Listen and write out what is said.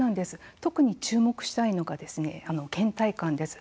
特に注目したいのがけん怠感です。